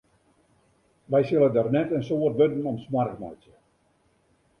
Wy sille der net in soad wurden oan smoarch meitsje.